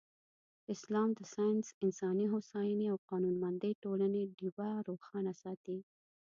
اسلام د ساینس، انساني هوساینې او قانونمندې ټولنې ډېوه روښانه ساتلې.